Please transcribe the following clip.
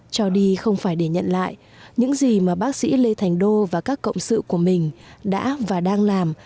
cho đi không phải để nhận lại những gì mà bác sĩ lê thành đô và các cộng sự của mình đã và đang làm